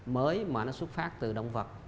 mới mà nó xuất phát từ động vật